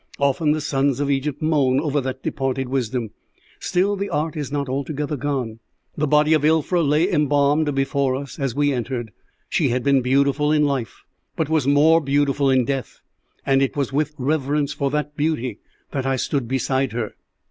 Often the sons of Egypt moan over that departed wisdom; still the art is not altogether gone. The body of Ilfra lay embalmed before us as we entered. She had been beautiful in life, but was more beautiful in death, and it was with reverence for that beauty that I stood beside her.